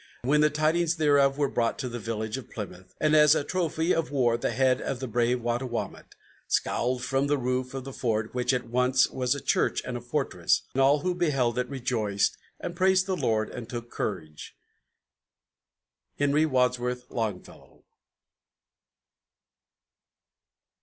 When the tidings thereof were brought to the village of Plymouth, And as a trophy of war the head of the brave Wattawamat Scowled from the roof of the fort, which at once was a church and a fortress, All who beheld it rejoiced, and praised the Lord, and took courage. HENRY WADSWORTH LONGFELLOW.